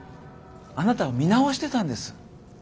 あなたを見直してたんです。